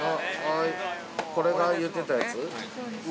はいこれが言ってたやつ？